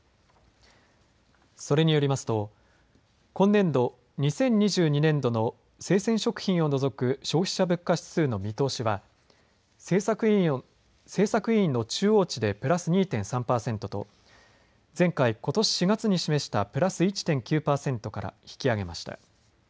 それによりますと今年度・２０２２年度の生鮮食品を除く消費者物価指数の見通しは政策委員の中央値でプラス２．３％と前回・ことし４月に示したプラス１．９％から引き上げました。